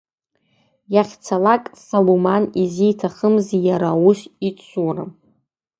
Иахьцалак Салуман изиҭахымзи иара аус ицура?